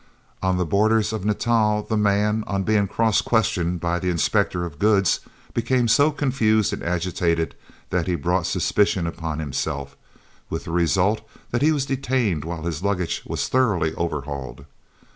On the borders of Natal, the man, on being cross questioned by the inspector of goods, became so confused and agitated that he brought suspicion on himself, with the result that he was detained while his luggage was thoroughly overhauled.